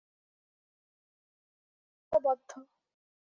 তিনি অগাস্টিন কারভিনের কাছে কৃতজ্ঞতাবদ্ধ।